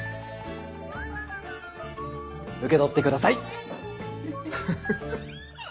受け取ってください。